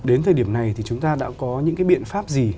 đến thời điểm này thì chúng ta đã có những cái biện pháp gì